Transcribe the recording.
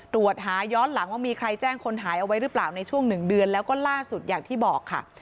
ตรวจหาย้อนหลังว่ามีใครแจ้งคนหายเอาไว้หรือเปล่าในช่วงหนึ่งเดือนแล้วก็ล่าสุดอย่างที่บอกค่ะ